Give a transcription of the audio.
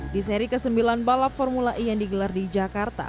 di seri ke sembilan balap formula e yang digelar di jakarta